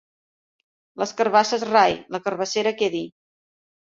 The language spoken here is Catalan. Les carabasses rai, la carabassera quedi.